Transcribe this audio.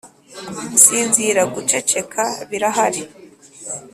sinzira! guceceka birahari,